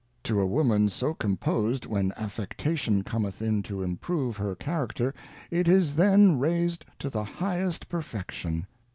To a Woman so composed when Affectation cometh in to improve her Character, it is then raised to the highest Per fection.